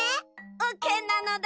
オーケーなのだ。